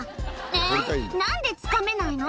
「ねぇ何でつかめないの？